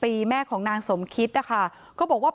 เพราะไม่เคยถามลูกสาวนะว่าไปทำธุรกิจแบบไหนอะไรยังไง